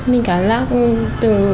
mình cảm giác từ